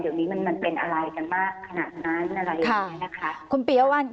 เดี๋ยวนี้มันมันเป็นอะไรกันมากขนาดนั้นอะไรอย่างนี้นะคะ